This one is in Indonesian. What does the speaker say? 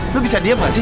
lo bisa diem gak sih